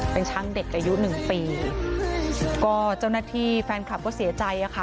เป็นช้างเด็กอายุหนึ่งปีก็เจ้าหน้าที่แฟนคลับก็เสียใจอะค่ะ